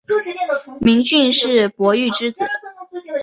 明俊是傅玉之子。